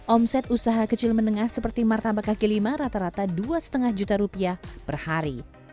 omset usaha kecil menengah seperti martabak kaki lima rata rata dua lima juta rupiah per hari